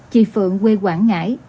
chị phượng quê quảng ngãi